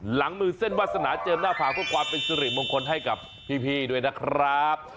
หลังมือเส้นวาสนาเจิมหน้าผากเพื่อความเป็นสิริมงคลให้กับพี่ด้วยนะครับ